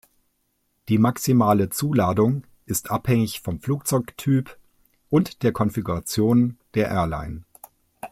Die maximale Zuladung ist abhängig vom Flugzeugtyp und der Konfiguration der Airline.